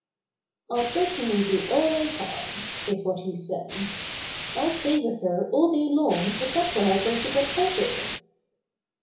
"I'll certainly do all I can," is what he said. "I'll play with her all day long if that will help her to get better."